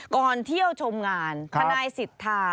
ก่อนเที่ยวชมงานทนายสิทธา